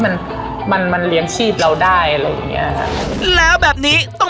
มันมันมันเลี้ยงชีพเราได้อะไรอย่างเงี้ยค่ะแล้วแบบนี้ต้อง